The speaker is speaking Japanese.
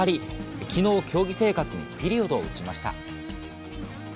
昨日、競技生活にピリオドを打ちました。